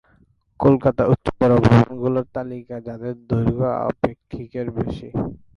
কলকাতার উচ্চতর ভবনগুলোর তালিকা যাদের দৈর্ঘ্য আপেক্ষিক এর বেশি।